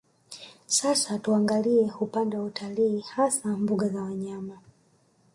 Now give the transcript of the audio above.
Sasa tuangalie upande wa utalii hasa mbuga za wanyama